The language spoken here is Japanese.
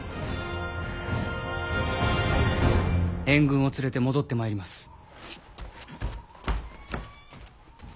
援軍を連れて戻ってまいります。